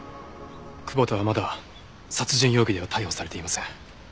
久保田はまだ殺人容疑では逮捕されていません。